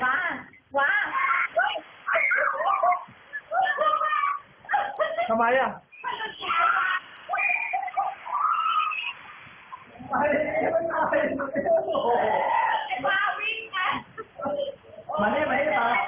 ทำไม